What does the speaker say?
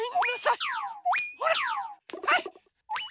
はい！